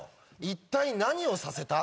一体何をさせた？